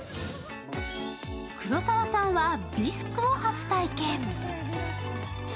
黒沢さんはビスクを初体験。